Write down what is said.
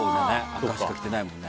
赤しか着てないもんね。